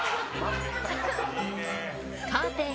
カーテン